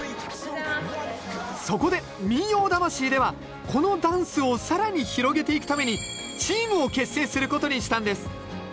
そこで「民謡魂」ではこのダンスを更に広げていくためにチームを結成することにしたんです。